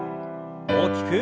大きく。